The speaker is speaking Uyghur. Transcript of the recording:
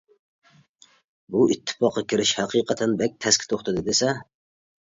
بۇ ئىتتىپاققا كىرىش ھەقىقەتەن بەك تەسكە توختىدى دېسە.